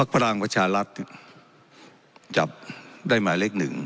พรรณวัชฌาลัศน์จับได้หมายเลข๑